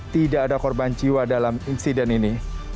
tidak ada korban jiwa dalam insiden ini